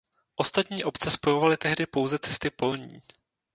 Ostatní obce spojovaly tehdy pouze cesty polní.